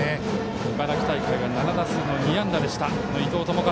茨城大会は７打数２安打の伊藤智一。